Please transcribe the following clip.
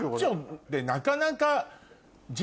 なかなか。